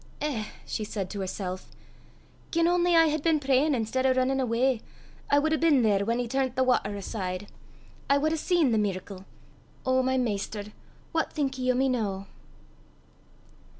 "Eh!" she said to herself, "gien only I had been prayin' i'stead o' rinnin' awa, I wad hae been there whan he turnt the watter aside! I wad hae seen the mirricle! O my Maister! what think ye o' me noo?"